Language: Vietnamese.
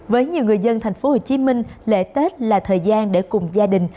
với nhiều người dân thành phố hồ chí minh lễ tết là thời gian để cùng gia đình